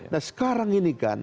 nah sekarang ini kan